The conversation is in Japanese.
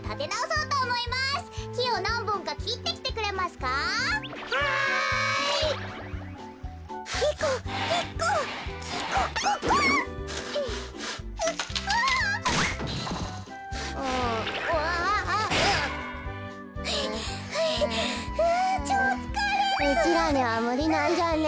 うちらにはむりなんじゃね？